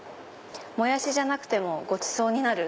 「もやしじゃなくてもごちそうになる」。